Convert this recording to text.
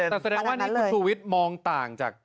แต่แสดงว่านี่คุณชูวิทย์มองต่างจาก